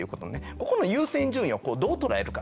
ここの優先順位をどう捉えるかっていうね